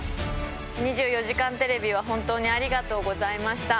２４時間テレビは本当にありがとうございました。